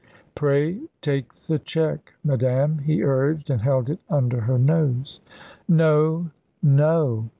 "Pray take the cheque, madame," he urged, and held it under her nose. "No, no!"